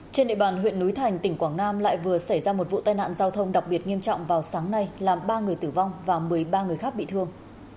trên địa bàn huyện núi thành tỉnh quảng nam lại vừa xảy ra một vụ tai nạn giao thông đặc biệt nghiêm trọng vào sáng nay làm ba người tử vong và một mươi ba người khác bị thương